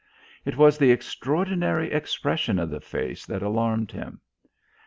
It was the extraordinary expression of the face that alarmed him.